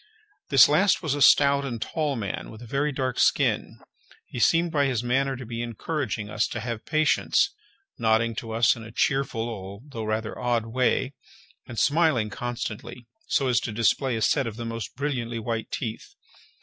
This last was a stout and tall man, with a very dark skin. He seemed by his manner to be encouraging us to have patience, nodding to us in a cheerful although rather odd way, and smiling constantly, so as to display a set of the most brilliantly white teeth.